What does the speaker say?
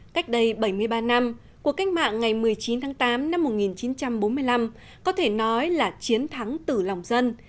cách đây bảy mươi ba năm cuộc cách mạng ngày một mươi chín tháng tám năm một nghìn chín trăm bốn mươi năm có thể nói là chiến thắng tử lòng dân